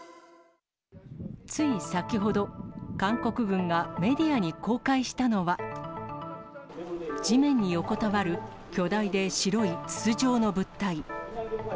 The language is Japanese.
つい先ほど、韓国軍がメディアに公開したのは、地面に横たわる巨大で白い筒状の物体。